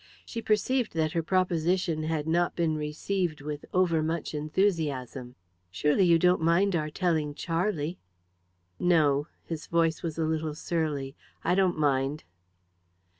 She perceived that her proposition had not been received with over much enthusiasm. "Surely you don't mind our telling Charlie?" "No" his voice was a little surly "I don't mind."